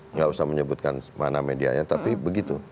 nggak usah menyebutkan mana medianya tapi begitu